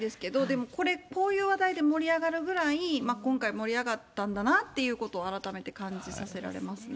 も、こういう話題で盛り上がるぐらい、今回、盛り上がったんだなということを改めて感じさせられますね。